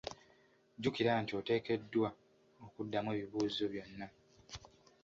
Jjukira nti oteekeddwa okuddamu ebibuuzo byonna.